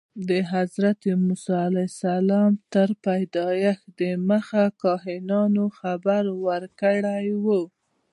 د حضرت موسی علیه السلام تر پیدایښت دمخه کاهنانو خبر ورکړی و.